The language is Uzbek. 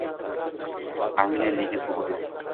Angliya Liga Kubogi